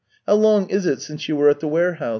How long is it since you were at the warehouse